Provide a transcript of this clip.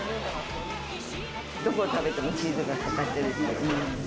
どこを食べてもチーズがかかっている。